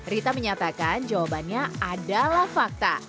rita menyatakan jawabannya adalah fakta